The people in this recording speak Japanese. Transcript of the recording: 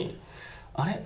あれ？